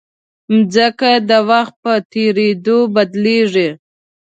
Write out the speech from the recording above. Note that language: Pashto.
مځکه د وخت په تېرېدو بدلېږي.